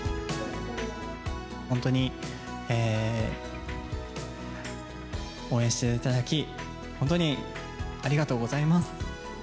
本当に応援していただき、本当にありがとうございます。